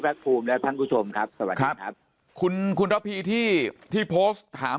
ภูมิและท่านผู้ชมครับสวัสดีครับคุณคุณระพีที่ที่โพสต์ถาม